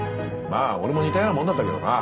まあ俺も似たようなもんだったけどな。